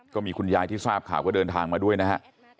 ก็มีคุณยายที่ทราบข่าวก็เดินทางมาด้วยนะฮะ